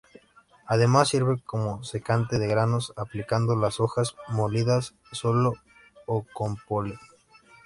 Además, sirve como secante de granos, aplicando las hojas molidas, sólo o con poleo.